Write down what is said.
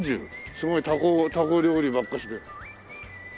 すごいたこ料理ばっかりで。